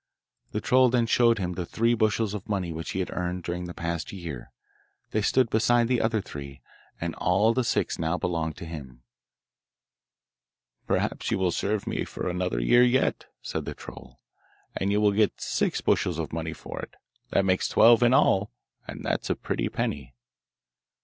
The troll then showed him the three bushels of money which he had earned during the past year; they stood beside the other three, and all the six now belonged to him. 'Perhaps you will serve me for another year yet,' said the troll, 'and you will get six bushels of money for it; that makes twelve in all, and that is a pretty penny.